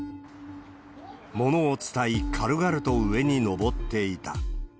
物をつたい、軽々と上に登っていた。